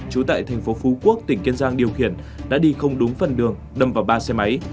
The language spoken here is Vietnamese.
trú tại thành phố phú quốc tỉnh kiên giang điều khiển đã đi không đúng phần đường đâm vào ba xe máy